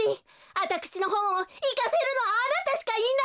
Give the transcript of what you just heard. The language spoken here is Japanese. あたくしのほんをいかせるのはあなたしかいないのよ！